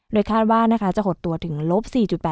โดยคาดว่าจะหดตัวถึงลบ๔๘